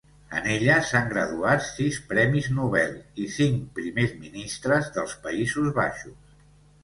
En ella s'han graduat sis premis Nobel i cinc primers ministres dels Països Baixos.